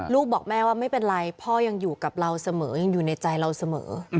ลูกบอกแม่ว่าไม่เป็นไรพ่อยังอยู่กับเราเสมอยังอยู่ในใจเราเสมอ